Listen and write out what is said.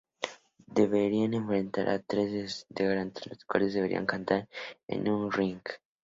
Deberán enfrentar a tres de sus integrantes los cuales deberán cantar en un "ring".